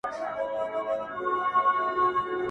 دا سړی گوره چي بيا څرنگه سرگم ساز کړي,